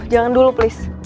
jangan dulu pleiton